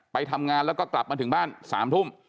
ไปทำงานแล้วก็กลับมาถึงบ้าน๓ทุ่ม